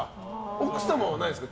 奥様はないんですか？